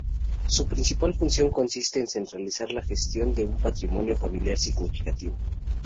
Su principal función consiste en centralizar la gestión de un patrimonio familiar significativo.